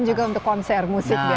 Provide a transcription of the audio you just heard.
dan juga untuk konser musik biasanya